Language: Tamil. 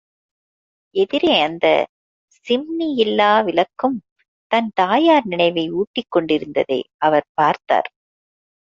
எதிரே அந்த சிம்னியில்லா விளக்கும் தன் தாயார் நினைவை ஊட்டிக் கொண்டிருந்ததை அவர் பார்த்தார்.